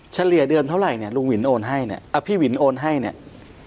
เฉลี่ยเดือนเท่าไหร่เนี่ยลุงวินโอนให้เนี่ยพี่หวินโอนให้เนี่ย